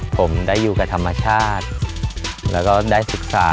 ผมได้อยู่กับธรรมชาติแล้วก็ได้ศึกษา